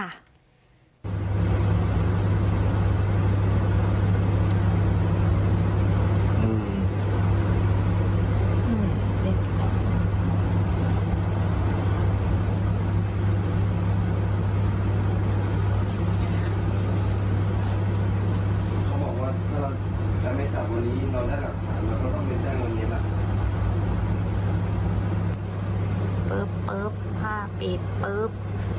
ปึ๊บภาพปิดปึ๊บ